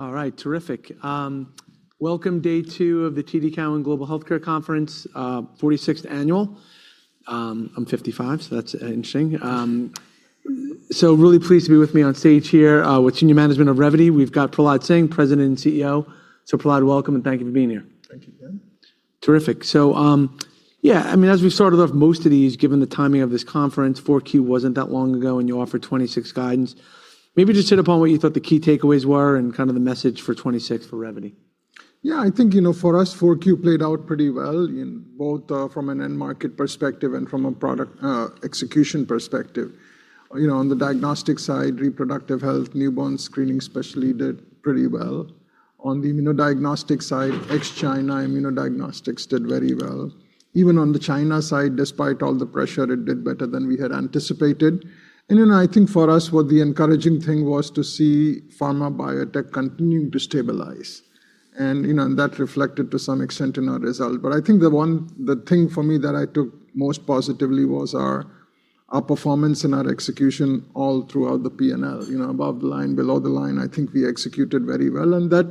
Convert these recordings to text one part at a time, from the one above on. All right, terrific. Welcome day two of the TD Cowen Global Healthcare Conference, 46th annual. I'm 55, so that's interesting. Really pleased to be with me on stage here, with senior management of Revvity. We've got Prahlad Singh, President and CEO. Prahlad, welcome, and thank you for being here. Thank you, Dan. Terrific. I mean, as we've started off most of these, given the timing of this conference, Q4 wasn't that long ago, and you offered 2026 guidance. Maybe just hit upon what you thought the key takeaways were and kind of the message for 2026 for Revvity. Yeah, I think, you know, for us, 4Q played out pretty well in both, from an end market perspective and from a product execution perspective. You know, on the diagnostic side, reproductive health, newborn screening especially did pretty well. On the immunodiagnostic side, ex-China immunodiagnostics did very well. Even on the China side, despite all the pressure, it did better than we had anticipated. Then I think for us, what the encouraging thing was to see pharma biotech continuing to stabilize. You know, that reflected to some extent in our result. I think the thing for me that I took most positively was our performance and our execution all throughout the P&L. You know, above the line, below the line, I think we executed very well, and that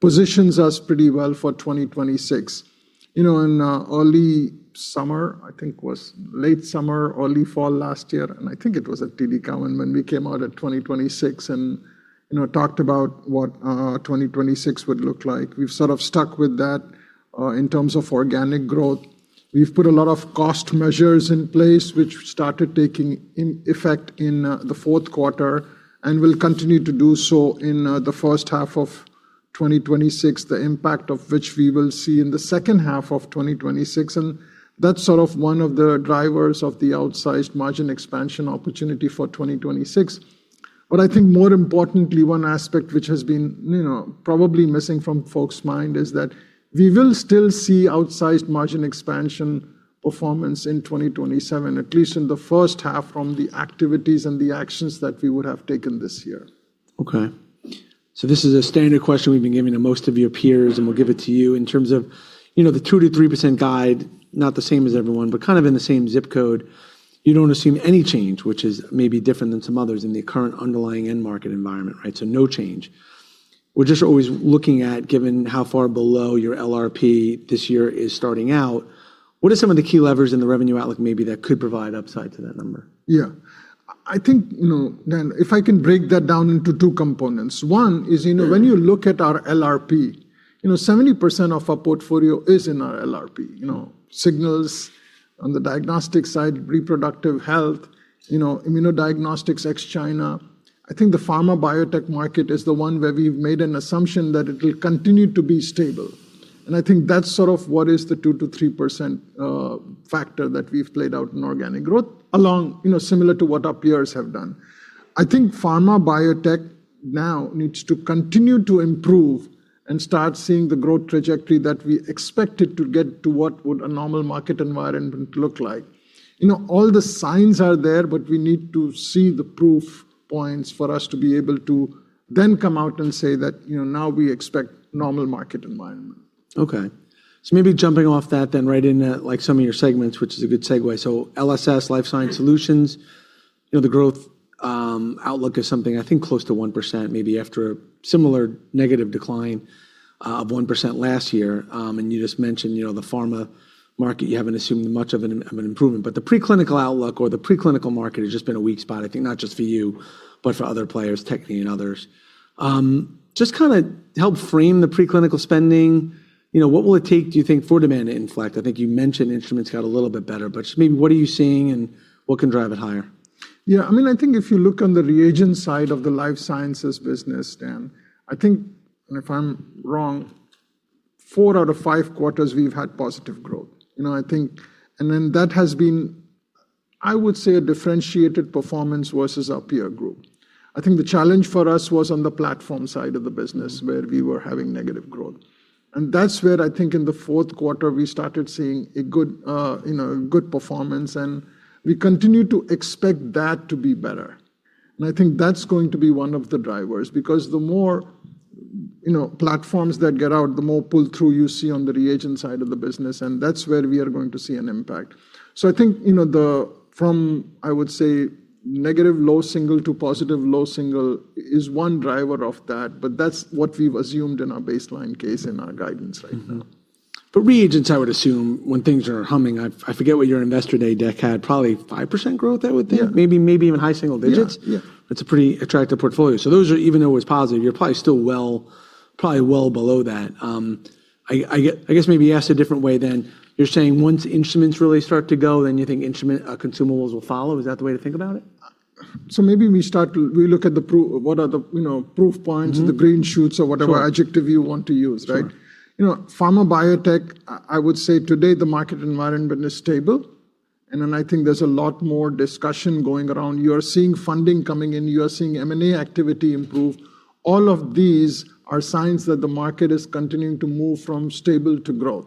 positions us pretty well for 2026. You know, in early summer, I think it was late summer, early fall last year, and I think it was at TD Cowen when we came out at 2026 and, you know, talked about what 2026 would look like. We've sort of stuck with that in terms of organic growth. We've put a lot of cost measures in place, which started taking in effect in the fourth quarter and will continue to do so in the first half of 2026, the impact of which we will see in the second half of 2026. That's sort of one of the drivers of the outsized margin expansion opportunity for 2026. I think more importantly, one aspect which has been, you know, probably missing from folks' mind is that we will still see outsized margin expansion performance in 2027, at least in the first half from the activities and the actions that we would have taken this year. Okay. This is a standard question we've been giving to most of your peers, and we'll give it to you. In terms of, you know, the 2%-3% guide, not the same as everyone, but kind of in the same zip code. You don't assume any change, which is maybe different than some others in the current underlying end market environment, right? No change. We're just always looking at, given how far below your LRP this year is starting out, what are some of the key levers in the revenue outlook maybe that could provide upside to that number? Yeah. I think, you know, Dan, if I can break that down into two components. One is, you know, when you look at our LRP, you know, 70% of our portfolio is in our LRP. You know, Signals on the diagnostic side, reproductive health, you know, immunodiagnostics, ex-China. I think the pharma biotech market is the one where we've made an assumption that it will continue to be stable. I think that's sort of what is the 2%-3% factor that we've played out in organic growth along, you know, similar to what our peers have done. I think pharma biotech now needs to continue to improve and start seeing the growth trajectory that we expected to get to what would a normal market environment look like. You know, all the signs are there, but we need to see the proof points for us to be able to then come out and say that, you know, now we expect normal market environment. Maybe jumping off that then right into like some of your segments, which is a good segue. LSS, Life Science Solutions, you know, the growth outlook is something I think close to 1% maybe after a similar negative decline of 1% last year. You just mentioned, you know, the pharma market, you haven't assumed much of an improvement. The preclinical outlook or the preclinical market has just been a weak spot, I think not just for you, but for other players, Bio-Techne and others. Just kinda help frame the preclinical spending. You know, what will it take, do you think, for demand to inflect? I think you mentioned instruments got a little bit better, but just maybe what are you seeing and what can drive it higher? Yeah, I mean, I think if you look on the reagent side of the Life Science Solutions business, Dan, I think, and if I'm wrong, four out of five quarters we've had positive growth. You know, that has been, I would say, a differentiated performance versus our peer group. I think the challenge for us was on the platform side of the business where we were having negative growth. That's where I think in the fourth quarter we started seeing a good, you know, good performance, and we continue to expect that to be better. I think that's going to be one of the drivers because the more, you know, platforms that get out, the more pull-through you see on the reagent side of the business, and that's where we are going to see an impact. I think, you know, from, I would say, negative low single to positive low single is one driver of that, but that's what we've assumed in our baseline case in our guidance right now. Mm-hmm. For reagents, I would assume when things are humming, I forget what your Investor Day deck had, probably 5% growth, I would think? Yeah. Maybe even high single digits. Yeah, yeah. That's a pretty attractive portfolio. Even though it's positive, you're probably well below that. I guess maybe asked a different way then, you're saying once instruments really start to go, then you think instrument consumables will follow? Is that the way to think about it? What are the, you know, proof points? Mm-hmm. the green shoots or whatever Sure. adjective you want to use, right? Sure. You know, pharma biotech, I would say today the market environment is stable. I think there's a lot more discussion going around. You are seeing funding coming in. You are seeing M&A activity improve. All of these are signs that the market is continuing to move from stable to growth.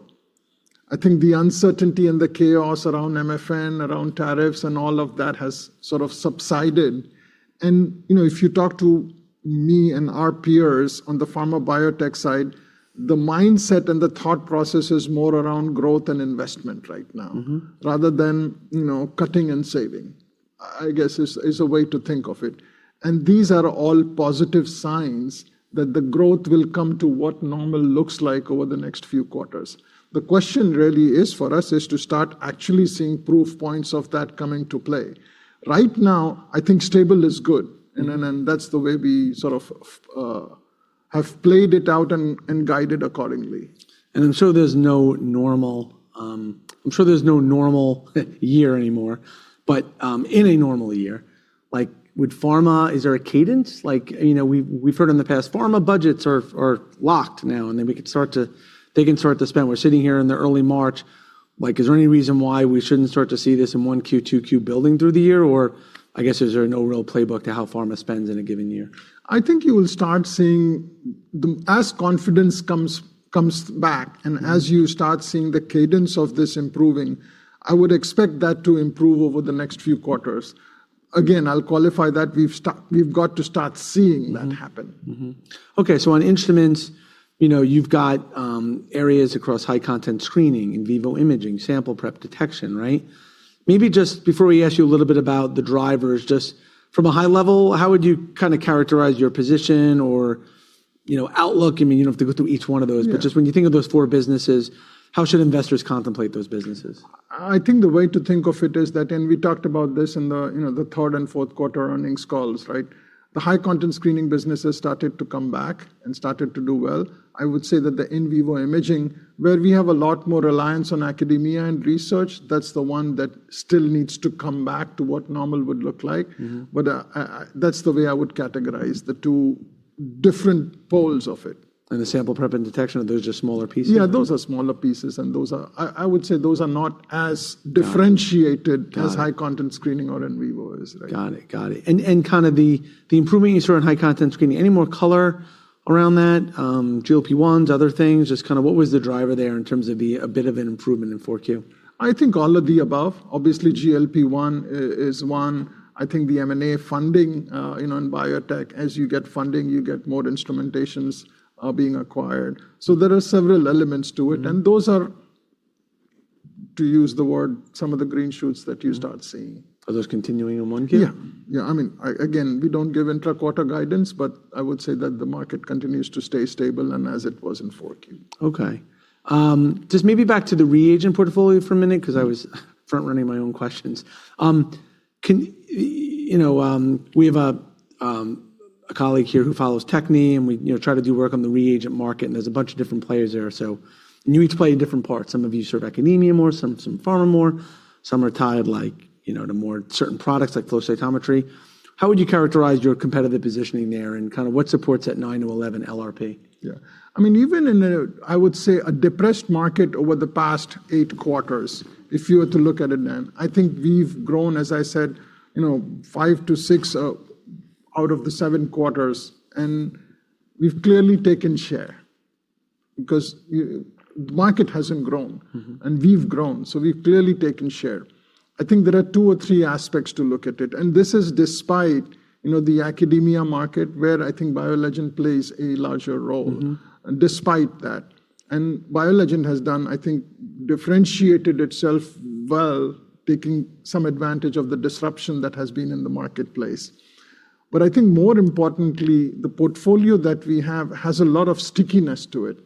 I think the uncertainty and the chaos around MFN, around tariffs, and all of that has sort of subsided. You know, if you talk to me and our peers on the pharma biotech side, the mindset and the thought process is more around growth and investment right now. Mm-hmm. -rather than, you know, cutting and saving. I guess is a way to think of it. These are all positive signs that the growth will come to what normal looks like over the next few quarters. The question really is for us is to start actually seeing proof points of that coming to play. Right now, I think stable is good, and that's the way we sort of have played it out and guided accordingly. I'm sure there's no normal, I'm sure there's no normal year anymore, but in a normal year, like, is there a cadence? Like, you know, we've heard in the past pharma budgets are locked now, and then they can start to spend. We're sitting here in the early March, like, is there any reason why we shouldn't start to see this in 1Q, 2Q building through the year? I guess is there no real playbook to how pharma spends in a given year? I think you will start seeing as confidence comes back, and as you start seeing the cadence of this improving, I would expect that to improve over the next few quarters. Again, I'll qualify that we've got to start seeing that happen. On instruments, you know, you've got areas across high-content screening, in vivo imaging, sample prep detection, right? Maybe just before we ask you a little bit about the drivers, just from a high level, how would you kinda characterize your position or, you know, outlook? I mean, you don't have to go through each one of those. Yeah. Just when you think of those four businesses, how should investors contemplate those businesses? I think the way to think of it is that, we talked about this in the, you know, the third and fourth quarter earnings calls, right? The high-content screening business has started to come back and started to do well. I would say that the in vivo imaging, where we have a lot more reliance on academia and research, that's the one that still needs to come back to what normal would look like. Mm-hmm. That's the way I would categorize the two different poles of it. The sample prep and detection, are those just smaller pieces? Yeah, those are smaller pieces, and those are... I would say those are not as differentiated- Got it. Got it.... as high-content screening or in vivo is. Right. Got it. Got it. Kinda the improving you saw in high-content screening, any more color around that, GLP-1s, other things? Just kinda what was the driver there in terms of a bit of an improvement in 4Q? I think all of the above, obviously GLP-1 is one. I think the M&A funding, you know, in biotech, as you get funding, you get more instrumentations are being acquired. There are several elements to it. Mm-hmm. Those are, to use the word, some of the green shoots that you start seeing. Are those continuing in 1Q? Yeah. Yeah. I mean, again, we don't give intra-quarter guidance, but I would say that the market continues to stay stable and as it was in 4Q. Okay. just maybe back to the reagent portfolio for a minute- Mm-hmm... 'cause I was front-running my own questions. You know, we have a colleague here who follows Bio-Techne, and we, you know, try to do work on the reagent market, and there's a bunch of different players there. You each play different parts. Some of you serve academia more, some pharma more, some are tied like, you know, to more certain products like flow cytometry. How would you characterize your competitive positioning there, and kinda what supports that nine to 11 LRP? Yeah. I mean, even in a, I would say a depressed market over the past eight quarters, if you were to look at it, then I think we've grown, as I said, you know, five to six, out of the seven quarters, and we've clearly taken share because the market hasn't grown. Mm-hmm. We've grown, so we've clearly taken share. I think there are two or three aspects to look at it, and this is despite, you know, the academia market where I think BioLegend plays a larger role. Mm-hmm. Despite that. BioLegend has done... I think differentiated itself well, taking some advantage of the disruption that has been in the marketplace. I think more importantly, the portfolio that we have has a lot of stickiness to it.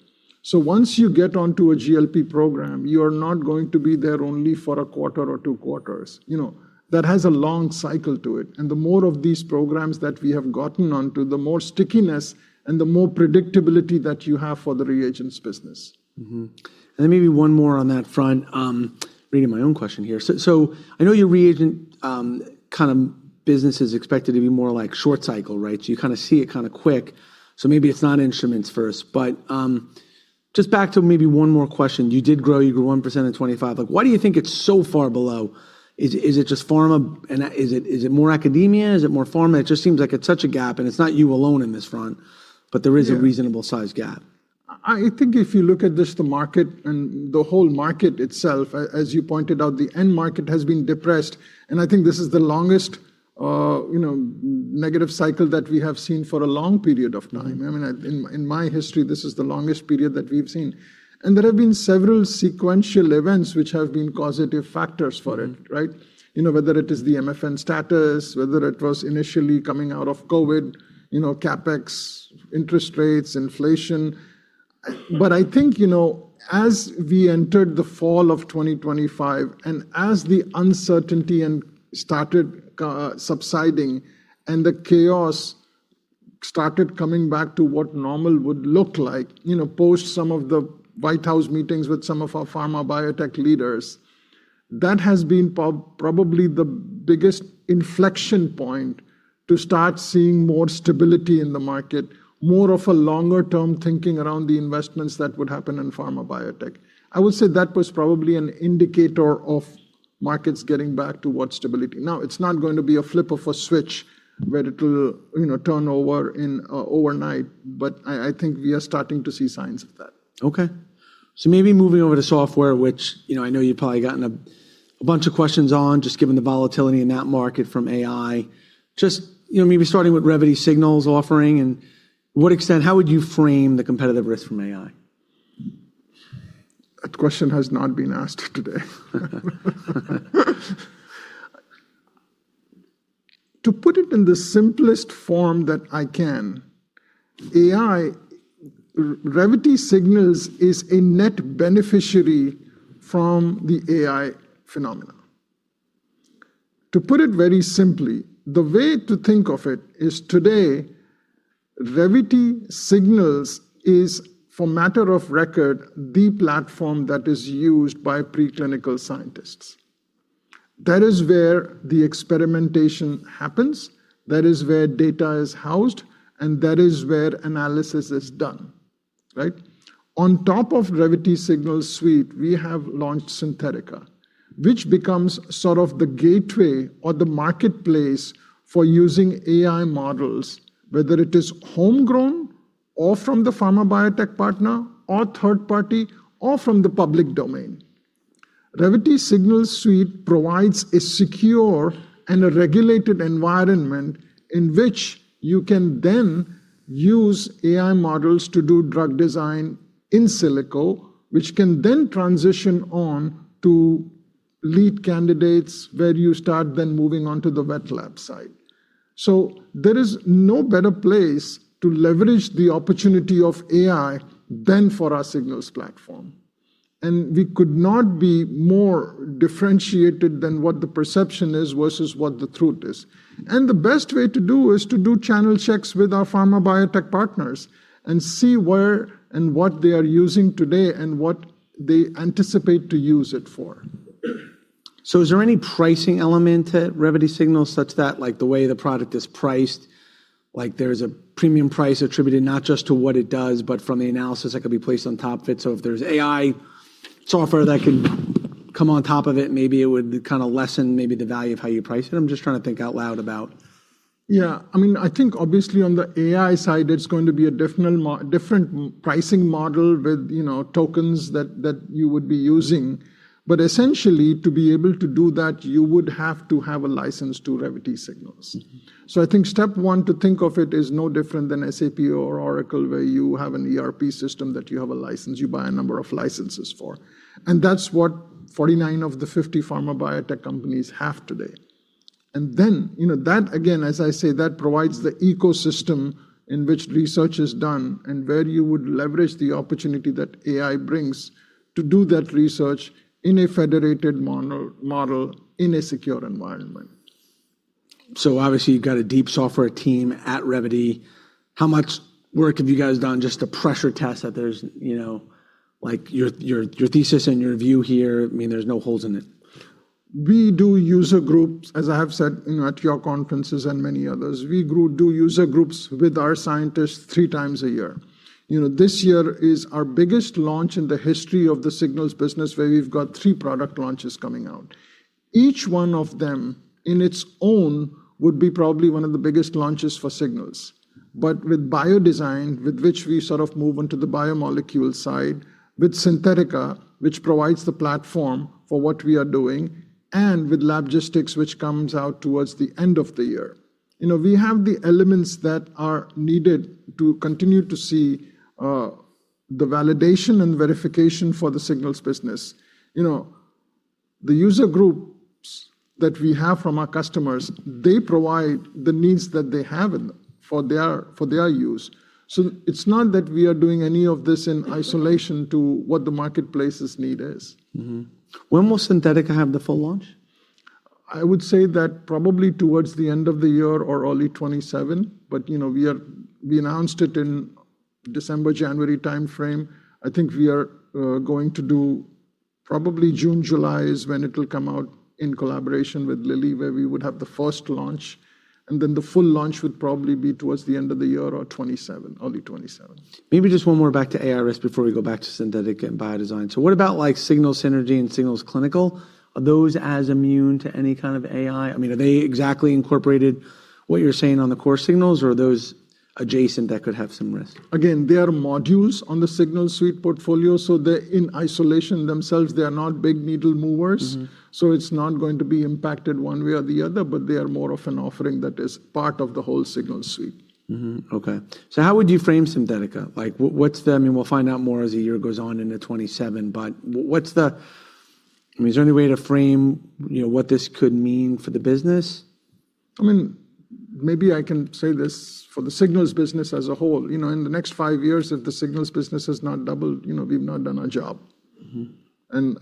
Once you get onto a GLP program, you are not going to be there only for a quarter or two quarters. You know, that has a long cycle to it. The more of these programs that we have gotten onto, the more stickiness and the more predictability that you have for the reagents business. Then maybe one more on that front, reading my own question here. I know your reagent kind of business is expected to be more like short cycle, right? You kinda see it kinda quick, so maybe it's not instruments first. Just back to maybe one more question. You did grow, you grew 1% in 2025. Like, why do you think it's so far below? Is it just pharma and is it more academia? Is it more pharma? It just seems like it's such a gap, and it's not you alone in this front- Yeah There is a reasonable size gap. I think if you look at this, the market and the whole market itself, as you pointed out, the end market has been depressed. I think this is the longest, you know, negative cycle that we have seen for a long period of time. Mm-hmm. I mean, in my history, this is the longest period that we've seen. There have been several sequential events which have been causative factors for it, right? You know, whether it is the MFN status, whether it was initially coming out of COVID, you know, CapEx, interest rates, inflation. I think, you know, as we entered the fall of 2025, as the uncertainty started subsiding and the chaos started coming back to what normal would look like, you know, post some of the White House meetings with some of our pharma biotech leaders, that has been probably the biggest inflection point to start seeing more stability in the market, more of a longer-term thinking around the investments that would happen in pharma biotech. I would say that was probably an indicator of markets getting back towards stability. It's not going to be a flip of a switch where it will, you know, turn over in overnight, but I think we are starting to see signs of that. Maybe moving over to software, which, you know, I know you've probably gotten a bunch of questions on just given the volatility in that market from AI. You know, maybe starting with Revvity Signals offering and what extent, how would you frame the competitive risk from AI? That question has not been asked today. To put it in the simplest form that I can, Revvity Signals is a net beneficiary from the AI phenomenon. To put it very simply, the way to think of it is today, Revvity Signals is, for matter of record, the platform that is used by preclinical scientists. That is where the experimentation happens, that is where data is housed, and that is where analysis is done, right? On top of Revvity Signals suite, we have launched Synthetica, which becomes sort of the gateway or the marketplace for using AI models, whether it is homegrown or from the pharma biotech partner or third party or from the public domain. Revvity Signals suite provides a secure and a regulated environment in which you can then use AI models to do drug design in silico, which can then transition on to lead candidates where you start then moving on to the wet lab side. There is no better place to leverage the opportunity of AI than for our Signals platform. We could not be more differentiated than what the perception is versus what the truth is. The best way to do is to do channel checks with our pharma biotech partners and see where and what they are using today and what they anticipate to use it for. Is there any pricing element at Revvity Signals such that like the way the product is priced, like there's a premium price attributed not just to what it does, but from the analysis that could be placed on top of it? If there's AI software that could come on top of it, maybe it would kinda lessen maybe the value of how you price it. I'm just trying to think out loud about... Yeah. I mean, I think obviously on the AI side, it's going to be a different pricing model with, you know, tokens that you would be using. Essentially, to be able to do that, you would have to have a license to Revvity Signals. Mm-hmm. I think step one to think of it is no different than SAP or Oracle, where you have an ERP system that you have a license, you buy a number of licenses for. That's what 49 of the 50 pharma biotech companies have today. You know that, again, as I say, that provides the ecosystem in which research is done and where you would leverage the opportunity that AI brings to do that research in a federated model in a secure environment. Obviously, you've got a deep software team at Revvity. How much work have you guys done just to pressure test that there's, you know, like your, your thesis and your view here, I mean, there's no holes in it? We do user groups, as I have said, you know, at your conferences and many others. We group do user groups with our scientists three times a year. You know, this year is our biggest launch in the history of the Signals business, where we've got three product launches coming out. Each one of them in its own would be probably one of the biggest launches for Signals. With BioDesign, with which we sort of move into the biomolecule side, with Synthetica, which provides the platform for what we are doing, and with Logistics, which comes out towards the end of the year. You know, we have the elements that are needed to continue to see the validation and verification for the Signals business. You know, the user groups that we have from our customers, they provide the needs that they have in them for their, for their use. It's not that we are doing any of this in isolation to what the marketplace's need is. Mm-hmm. When will Synthetica have the full launch? I would say that probably towards the end of the year or early 2027. You know, we announced it in December, January timeframe. I think we are going to do probably June, July is when it'll come out in collaboration with Lilly, where we would have the first launch, and then the full launch would probably be towards the end of the year or 2027, early 2027. Maybe just one more back to ARS before we go back to Synthetica and BioDesign. What about like Signals Synergy and Signals Clinical? Are those as immune to any kind of AI? I mean, are they exactly incorporated what you're saying on the core Signals or are those adjacent that could have some risk? Again, they are modules on the Signals suite portfolio. They're in isolation themselves. They are not big needle movers. Mm-hmm. It's not going to be impacted one way or the other, but they are more of an offering that is part of the whole Signals suite. Okay. How would you frame Synthetica? Like I mean, we'll find out more as the year goes on into 2027, but I mean, is there any way to frame, you know, what this could mean for the business? I mean, maybe I can say this for the Signals business as a whole. You know, in the next five years, if the Signals business has not doubled, you know, we've not done our job. Mm-hmm.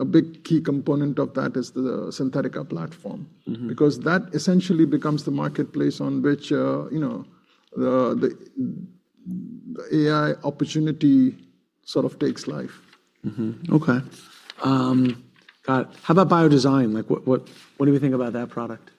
A big key component of that is the Synthetica platform. Mm-hmm. Because that essentially becomes the marketplace on which, you know, the, the AI opportunity sort of takes life. Okay. got it. How about BioDesign? Like, what do we think about that product?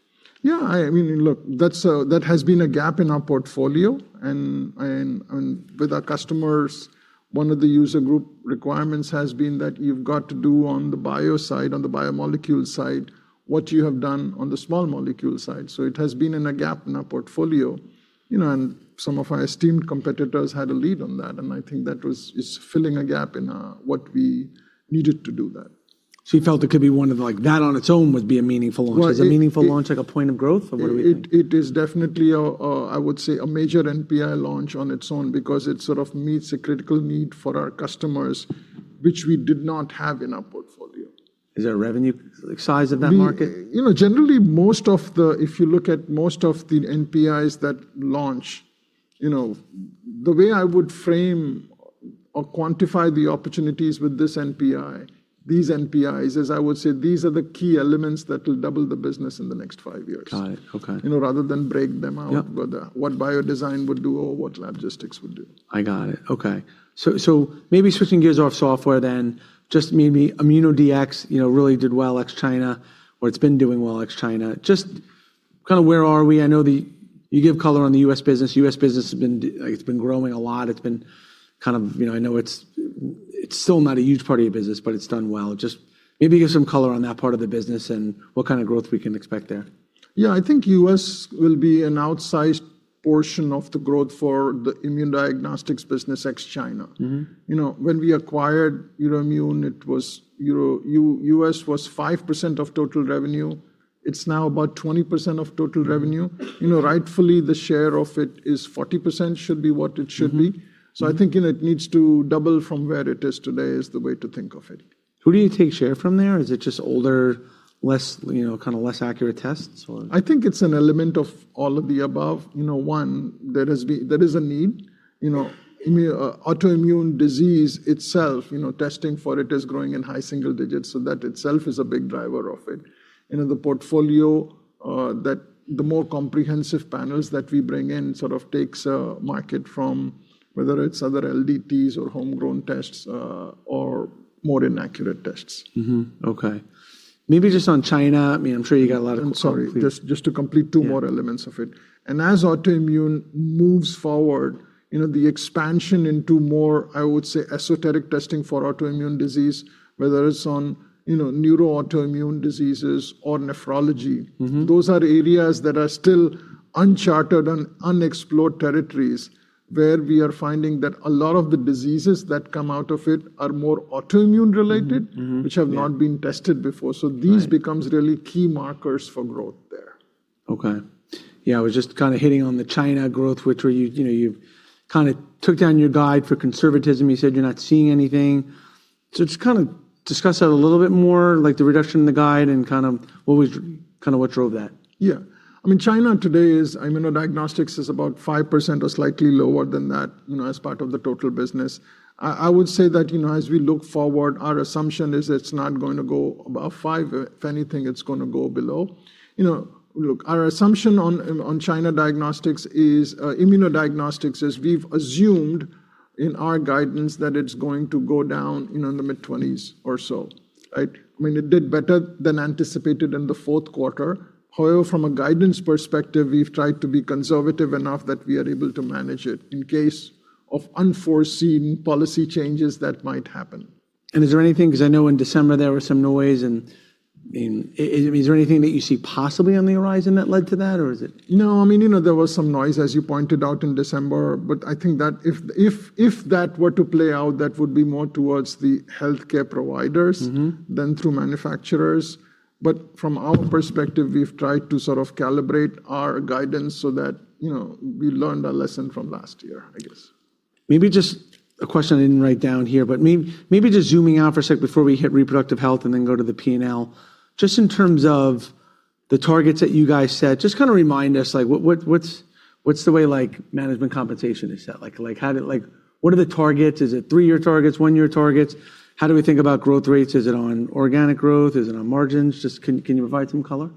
I mean, look, that has been a gap in our portfolio and with our customers, one of the user group requirements has been that you've got to do on the bio side, on the biomolecule side, what you have done on the small molecule side. It has been in a gap in our portfolio, you know, and some of our esteemed competitors had a lead on that, and I think that is filling a gap in what we needed to do that. You felt it could be one of the like, that on its own would be a meaningful launch. Well, it. Is a meaningful launch like a point of growth, or what do you think? It is definitely a, I would say a major NPI launch on its own because it sort of meets a critical need for our customers which we did not have in our portfolio. Is there a revenue like size of that market? You know, generally, if you look at most of the NPIs that launch, you know, the way I would frame or quantify the opportunities with this NPI, these NPIs, is I would say these are the key elements that will double the business in the next five years. Got it. Okay. You know, rather than break them out- Yeah ...whether what BioDesign would do or what Labgistics would do. I got it. Okay. Maybe switching gears off software then, just maybe immunodiagnostics, you know, really did well ex-China or it's been doing well ex-China. Just kinda where are we? I know. You give color on the U.S. business. U.S. business has been like it's been growing a lot. It's been kind of, you know... I know it's still not a huge part of your business, but it's done well. Just maybe give some color on that part of the business and what kind of growth we can expect there. Yeah. I think U.S. will be an outsized portion of the growth for the immunodiagnostics business ex-China. Mm-hmm. You know, when we acquired Euroimmun, it was U.S. was 5% of total revenue. It's now about 20% of total revenue. Mm-hmm. You know, rightfully the share of it is 40% should be what it should be. Mm-hmm. I think, you know, it needs to double from where it is today is the way to think of it. Who do you take share from there, or is it just older, less, you know, kinda less accurate tests or? I think it's an element of all of the above. You know, one, there is a need. You know, autoimmune disease itself, you know, testing for it is growing in high single digits, so that itself is a big driver of it. You know, the portfolio that the more comprehensive panels that we bring in sort of takes market from whether it's other LDTs or homegrown tests or more inaccurate tests. Mm-hmm. Okay. Maybe just on China, I mean, I'm sure you got a lot of- I'm sorry. Just to complete two more elements of it. Yeah. as autoimmune moves forward, you know, the expansion into more, I would say, esoteric testing for autoimmune disease, whether it's on, you know, neuroimmune diseases or nephrology... Mm-hmm ...those are areas that are still uncharted and unexplored territories where we are finding that a lot of the diseases that come out of it are more autoimmune related- Mm-hmm. Mm-hmm. Yeah. ...which have not been tested before. Right. These becomes really key markers for growth there. Okay. Yeah, I was just kinda hitting on the China growth, which where you know, you've kinda took down your guide for conservatism. You said you're not seeing anything. Just kinda discuss that a little bit more, like the reduction in the guide and kinda what drove that. I mean, China today is, I mean, our diagnostics is about 5% or slightly lower than that, you know, as part of the total business. I would say that, you know, as we look forward, our assumption is it's not gonna go above five. If anything, it's gonna go below. You know, look, our assumption on China diagnostics, immunodiagnostics, is we've assumed in our guidance that it's going to go down, you know, in the mid-20s or so, right? I mean, it did better than anticipated in the fourth quarter. From a guidance perspective, we've tried to be conservative enough that we are able to manage it in case of unforeseen policy changes that might happen. 'Cause I know in December there was some noise and, I mean, is there anything that you see possibly on the horizon that led to that? No, I mean, you know, there was some noise as you pointed out in December, but I think that if, if that were to play out, that would be more towards the healthcare providers. Mm-hmm ...than through manufacturers. From our perspective, we've tried to sort of calibrate our guidance so that, you know, we learned our lesson from last year, I guess. Maybe just a question I didn't write down here, but maybe just zooming out for a sec before we hit reproductive health and then go to the P&L. Just in terms of the targets that you guys set, just kinda remind us, like what's the way like management compensation is set? Like what are the targets? Is it three-year targets, one-year targets? How do we think about growth rates? Is it on organic growth? Is it on margins? Just can you provide some color?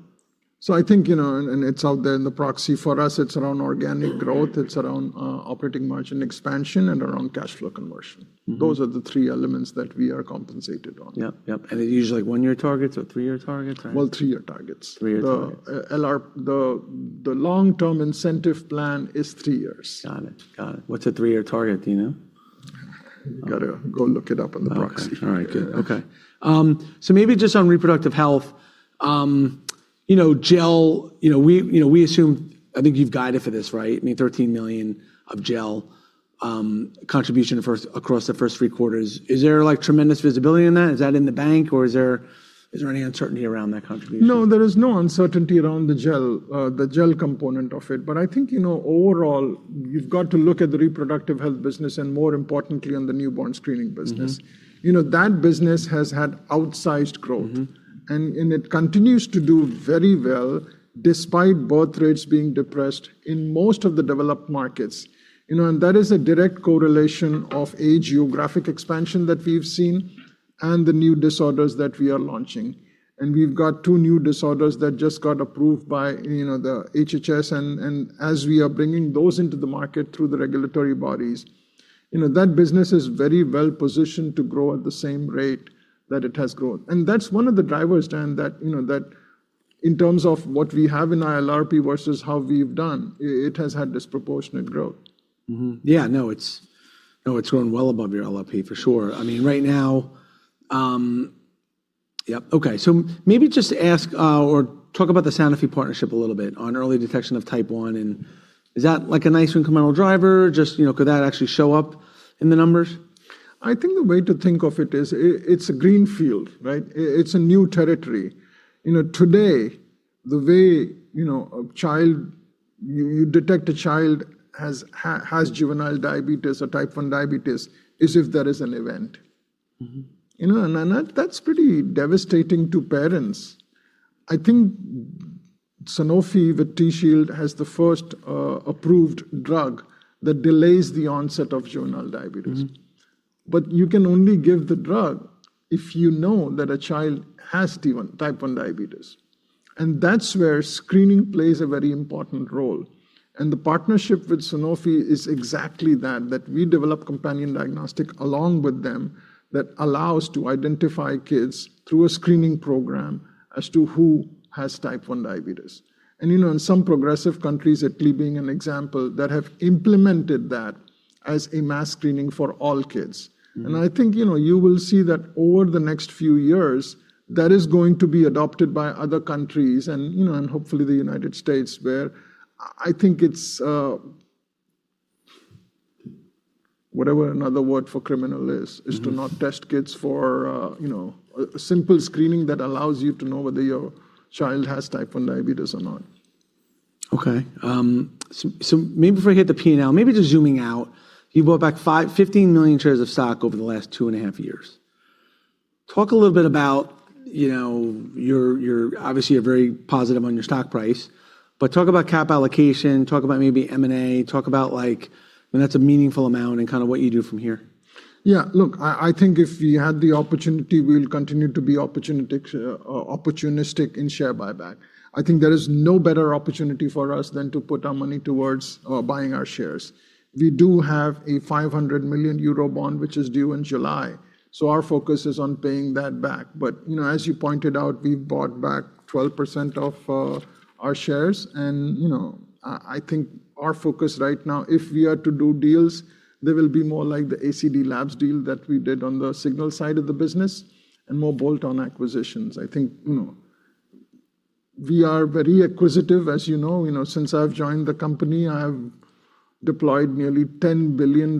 I think, you know, and it's out there in the proxy. For us, it's around organic growth, it's around operating margin expansion, and around cash flow conversion. Mm-hmm. Those are the three elements that we are compensated on. Yep, yep. It's usually like one-year targets or three-year targets or? Well, three-year targets. Three-year targets. The long-term incentive plan is three years. Got it. What's the three-year target? Do you know? Gotta go look it up in the proxy. Okay. All right. Good. Okay. Maybe just on reproductive health, you know, Gel, you know, we, you know, I think you've guided for this, right? I mean, $13 million of Gel contribution first across the first three quarters. Is there like tremendous visibility in that? Is that in the bank or is there any uncertainty around that contribution? No, there is no uncertainty around the Gel, the Gel component of it. I think, you know, overall you've got to look at the reproductive health business and more importantly on the newborn screening business. Mm-hmm. You know, that business has had outsized growth. Mm-hmm. It continues to do very well despite birth rates being depressed in most of the developed markets. You know, that is a direct correlation of a geographic expansion that we've seen and the new disorders that we are launching. We've got two new disorders that just got approved by, you know, the HHS. As we are bringing those into the market through the regulatory bodies, you know, that business is very well positioned to grow at the same rate that it has grown. That's one of the drivers, Dan, that, you know, that in terms of what we have in our LRP versus how we've done. It has had disproportionate growth. Yeah. No, it's grown well above your LRP for sure. I mean, right now. Okay. Maybe just ask, or talk about the Sanofi partnership a little bit on early detection of type one, and is that like a nice incremental driver? Just, you know, could that actually show up in the numbers? I think the way to think of it is it's a green field, right? It's a new territory. You know, today the way, you know, a child... You detect a child has juvenile diabetes or type one diabetes is if there is an event. Mm-hmm. You know, and that's pretty devastating to parents. I think Sanofi with TZIELD has the first approved drug that delays the onset of juvenile diabetes. Mm-hmm. You can only give the drug if you know that a child has type one, type one diabetes. That's where screening plays a very important role. The partnership with Sanofi is exactly that we develop companion diagnostic along with them that allows to identify kids through a screening program as to who has type one diabetes. You know, in some progressive countries, Italy being an example, that have implemented that as a mass screening for all kids. Mm-hmm. I think, you know, you will see that over the next few years that is going to be adopted by other countries and, you know, and hopefully the United States where I think it's, whatever another word for criminal is. Mm-hmm ...is to not test kids for, you know, a simple screening that allows you to know whether your child has type one diabetes or not. Okay. Maybe before I hit the P&L, maybe just zooming out, you bought back 15 million shares of stock over the last two and a half years. Talk a little bit about, you know, you're obviously a very positive on your stock price, but talk about cap allocation, talk about maybe M&A, talk about like when that's a meaningful amount and kind of what you do from here. Yeah. Look, I think if we had the opportunity, we'll continue to be opportunistic in share buyback. I think there is no better opportunity for us than to put our money towards buying our shares. We do have a 500 million euro bond, which is due in July, our focus is on paying that back. You know, as you pointed out, we've bought back 12% of our shares and, you know, I think our focus right now, if we are to do deals, they will be more like the ACD/Labs deal that we did on the Signals side of the business and more bolt-on acquisitions. I think, you know, we are very acquisitive, as you know. You know, since I've joined the company, I have deployed nearly $10 billion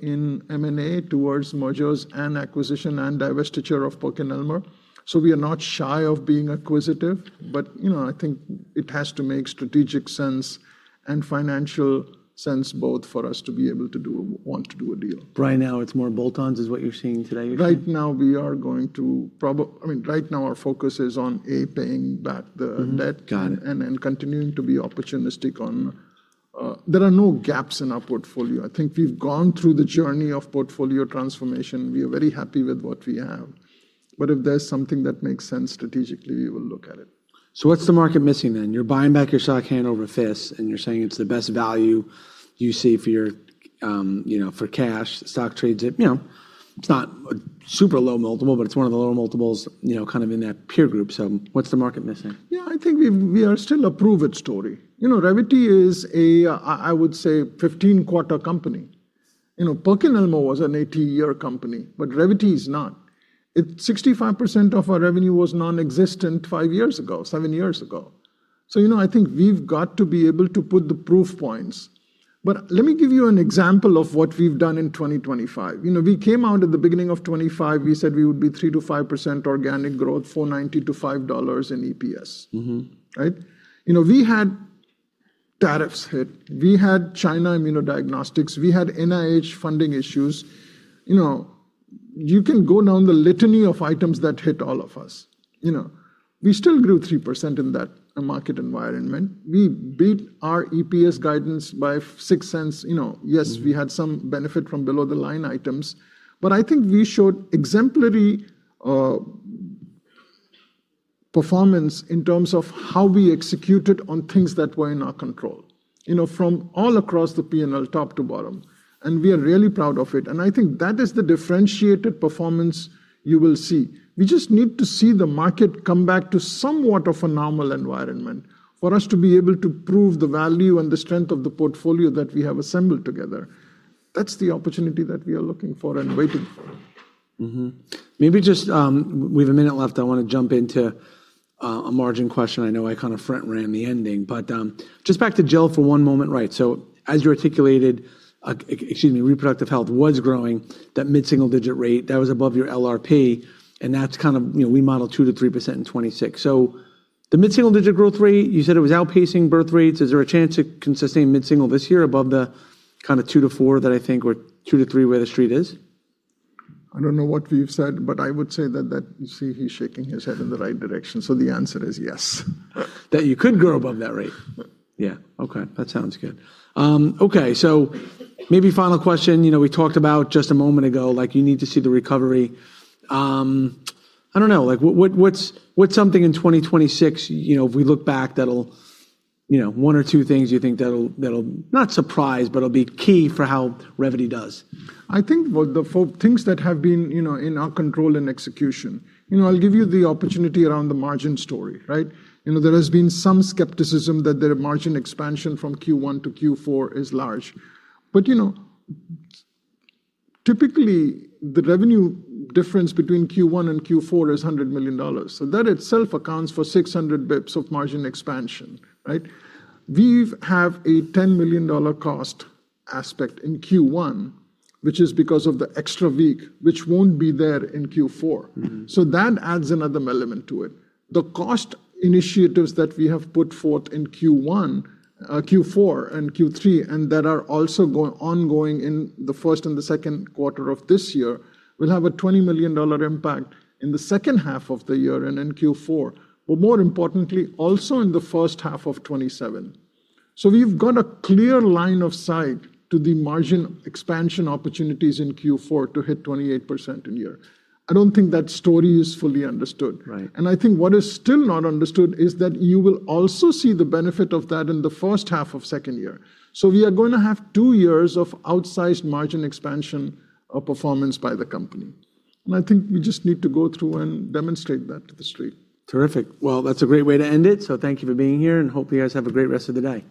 in M&A towards mergers and acquisition and divestiture of PerkinElmer, so we are not shy of being acquisitive. You know, I think it has to make strategic sense and financial sense both for us to be able to want to do a deal. Right now it's more bolt-ons is what you're seeing today, you're saying? I mean, right now our focus is on, A, paying back the-. Mm-hmm. Got it. ...debt and continuing to be opportunistic on. There are no gaps in our portfolio. I think we've gone through the journey of portfolio transformation. We are very happy with what we have. If there's something that makes sense strategically, we will look at it. What's the market missing then? You're buying back your stock hand over fist, and you're saying it's the best value you see for your, you know, for cash. Stock trades at, you know, it's not a super low multiple, but it's one of the lower multiples, you know, kind of in that peer group. What's the market missing? Yeah, I think we've we are still a prove it story. You know, Revvity is a, I would say 15 quarter company. You know, PerkinElmer was an 80-year company, but Revvity is not. It 65% of our revenue was nonexistent five years ago, seven years ago. You know, I think we've got to be able to put the proof points. Let me give you an example of what we've done in 2025. You know, we came out at the beginning of 2025, we said we would be 3% to 5% organic growth, $4.90 to $5 in EPS. Mm-hmm. Right? You know, we had tariffs hit, we had China immunodiagnostics, we had NIH funding issues. You know, you can go down the litany of items that hit all of us. You know, we still grew 3% in that market environment. We beat our EPS guidance by $0.06. Mm ...we had some benefit from below the line items, but I think we showed exemplary performance in terms of how we executed on things that were in our control, you know, from all across the P&L, top to bottom, we are really proud of it. I think that is the differentiated performance you will see. We just need to see the market come back to somewhat of a normal environment for us to be able to prove the value and the strength of the portfolio that we have assembled together. That's the opportunity that we are looking for and waiting for. Maybe just, we have one minute left. I want to jump into a margin question. I know I kind of front-ran the ending, but, just back to Gel for one moment. Right. As you articulated, excuse me, reproductive health was growing that mid-single-digit rate that was above your LRP, and that's kind of, you know, we modeled 2%-3% in 2026. The mid-single-digit growth rate, you said it was outpacing birth rates. Is there a chance it can sustain mid-single this year above the kind of 2%-4% that I think 2%-3% where the street is? I don't know what we've said, I would say that. You see he's shaking his head in the right direction, the answer is yes. That you could grow above that rate? Yeah. Okay, that sounds good. Maybe final question. You know, we talked about just a moment ago, like you need to see the recovery. I don't know, like what's something in 2026, you know, if we look back that'll, you know, one or two things you think that'll, not surprise, but it'll be key for how Revvity does? I think what the things that have been, you know, in our control and execution. You know, I'll give you the opportunity around the margin story, right? You know, there has been some skepticism that their margin expansion from Q1 to Q4 is large. You know, typically the revenue difference between Q1 and Q4 is $100 million, so that itself accounts for 600 basis points of margin expansion, right? We've have a $10 million cost aspect in Q1, which is because of the extra week, which won't be there in Q4. Mm-hmm. That adds another element to it. The cost initiatives that we have put forth in Q1, Q4, and Q3 and that are also ongoing in the first and the second quarter of this year will have a $20 million impact in the second half of the year and in Q4, but more importantly, also in the first half of 2027. We've got a clear line of sight to the margin expansion opportunities in Q4 to hit 28% in year. I don't think that story is fully understood. Right. I think what is still not understood is that you will also see the benefit of that in the first half of second year. We are going to have two years of outsized margin expansion of performance by the company. I think we just need to go through and demonstrate that to the street. Terrific. Well, that's a great way to end it. Thank you for being here. Hopefully you guys have a great rest of the day.